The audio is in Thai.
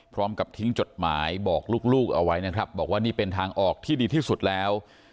พร้อมกับทิ้งจดหมายบอกลูกเอาไว้นะครับบอกว่านี่เป็นทางออกที่ดีที่สุดแล้ว